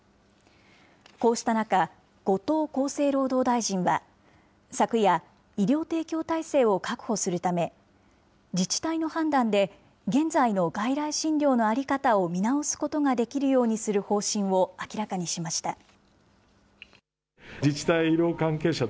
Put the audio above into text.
こうした中、後藤厚生労働大臣は、昨夜、医療提供体制を確保するため、自治体の判断で現在の外来診療の在り方を見直すことができるようにする方針を明らかにしました。